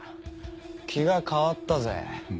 気が変わったぜ。